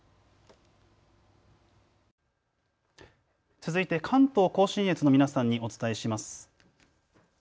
続いて関東甲信越の皆さんにお伝えします。